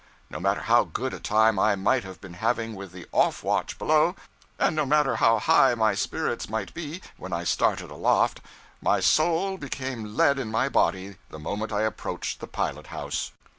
No matter how good a time I might have been having with the off watch below, and no matter how high my spirits might be when I started aloft, my soul became lead in my body the moment I approached the pilot house.